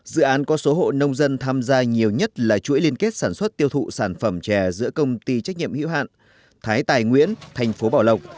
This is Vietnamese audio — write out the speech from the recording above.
dự án có số hộ nông dân tham gia nhiều nhất là chuỗi liên kết sản xuất tiêu thụ sản phẩm chè giữa công ty trách nhiệm hữu hạn thái tài nguyễn thành phố bảo lộc